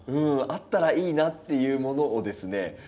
あったらいいなっていうものをですね